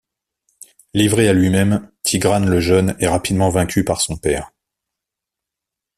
Livré à lui-même, Tigrane le Jeune est rapidement vaincu par son père.